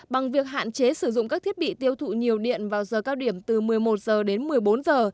bằng việc hạn chế sử dụng các thiết bị tiêu thủ nhiều điện vào giờ cao điểm từ một mươi một h đến một mươi bốn h